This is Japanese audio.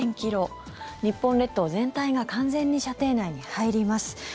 日本列島全体が完全に射程内に入ります。